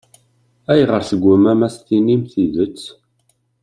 Ayɣer i teggummam ad d-tinim tidet?